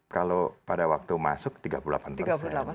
kalau pada waktu masuk tiga puluh delapan persen